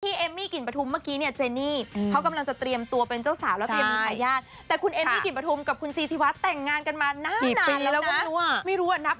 ที่เอมมี่กลิ่นปฐุมเมื่อกี้เจนค์เขากำลังจะเตรียมตัวเป็นเจ้าสาว